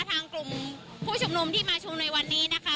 ทางกลุ่มผู้ชุมนุมที่มาชุมนุมในวันนี้นะคะ